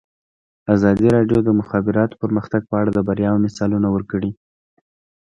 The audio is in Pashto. ازادي راډیو د د مخابراتو پرمختګ په اړه د بریاوو مثالونه ورکړي.